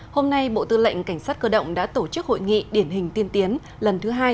hôm nay bộ tư lệnh cảnh sát cơ động đã tổ chức hội nghị điển hình tiên tiến lần thứ hai